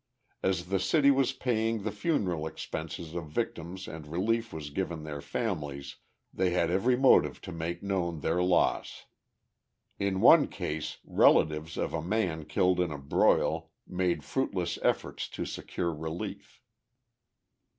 As the city was paying the funeral expenses of victims and relief was given their families, they had every motive to make known their loss. In one case relatives of a man killed in a broil made fruitless efforts to secure relief.